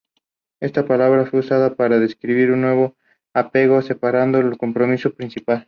Esta palabra fue usada para describir un nuevo apego separado del compromiso principal.